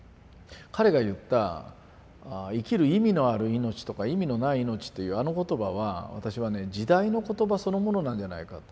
彼が言った「生きる意味のある命」とか「意味のない命」っていうあの言葉は私はね時代の言葉そのものなんじゃないかと。